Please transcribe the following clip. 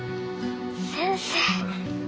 先生。